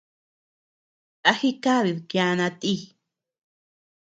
¿A jikadid kiana ti?